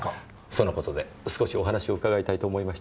その事で少しお話を伺いたいと思いまして。